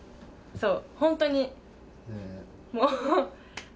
そう